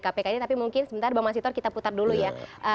kpk ini tapi mungkin sebentar bang mas hitor kita putar dulu ya